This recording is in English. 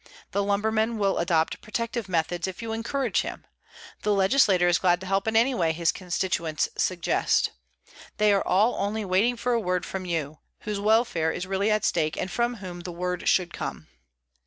The lumberman will adopt protective methods if you encourage him. The legislator is glad to help in any way his constituents suggest. _They are all only waiting for a word from you, whose welfare is really at stake and from whom the word should come.